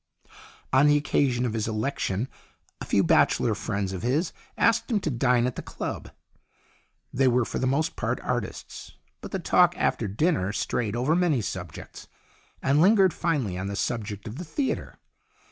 On the occasion of his election a few bachelor friends of his asked him to dine at the club. They were for the most part artists, but the talk after dinner strayed over many subjects, and lingered finally on the subject of the theatre.